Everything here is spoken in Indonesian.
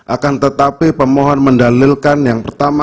akan tetapi pemohon mendalilkan yang pertama